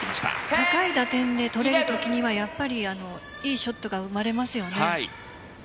高い打点で取れるときにはいいショットが生まれますよね。